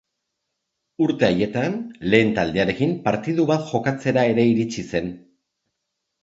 Urte haietan, lehen taldearekin partidu bat jokatzera ere iritsi zen.